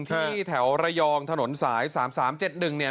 ที่แถวระยองถนนสาย๓๓๗๑เนี่ย